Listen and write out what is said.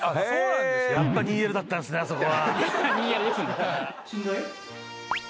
やっぱ２Ｌだったんですね、あそこは。